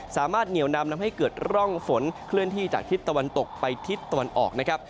สามารถเหนียวนำทำให้เกิดร่องฝนเคลื่อนที่จากทิศตะวันตกไปทิศตะวันออกนะครับ